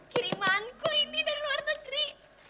kirimanku ini dari luar negeri